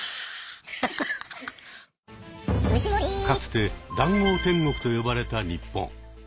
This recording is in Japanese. かつて「談合天国」と呼ばれた日本。